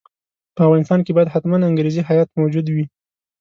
په افغانستان کې باید حتماً انګریزي هیات موجود وي.